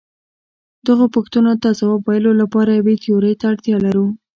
دغو پوښتنو ته ځواب ویلو لپاره یوې تیورۍ ته اړتیا لرو.